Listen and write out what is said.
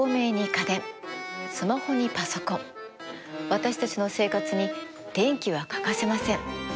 私たちの生活に電気は欠かせません。